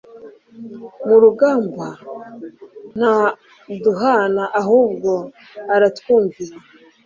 murugamba ntaduhana ahubwo aratwumvira